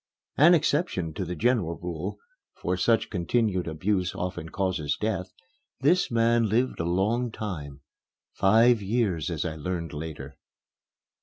An exception to the general rule (for such continued abuse often causes death), this man lived a long time five years, as I learned later.